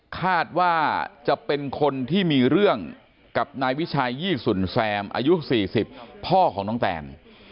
คาดว่าจะเป็นคนที่มีเรื่องกับนายวิชัยยี่สุนแซมอายุ๔๐พ่อของน้องแตน